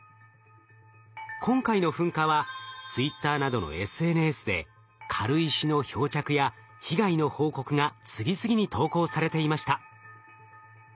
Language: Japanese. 今回の噴火はツイッターなどのＳＮＳで軽石の漂着や被害の報告が次々に投稿されていました。